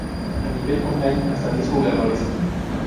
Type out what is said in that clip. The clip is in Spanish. A nivel online hasta diez jugadores.